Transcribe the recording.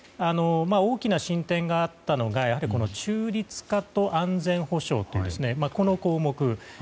大きな進展があったのが中立化と安全保障というこの項目。